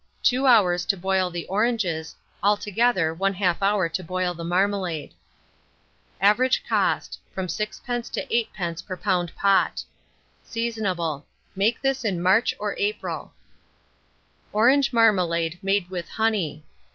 Time. 2 hours to boil the oranges; altogether 1/2 hour to boil the marmalade. Average cost, from 6d. to 8d. per lb. pot. Seasonable Make this in March or April. ORANGE MARMALADE MADE WITH HONEY.